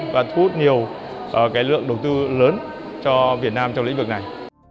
và thu hút nhiều lượng đầu tư lớn cho việt nam trong lĩnh vực này